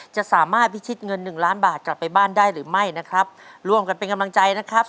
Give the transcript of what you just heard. จะสามารถพิชิตเงินหนึ่งล้านบาทกลับไปบ้านได้หรือไม่นะครับร่วมกันเป็นกำลังใจนะครับ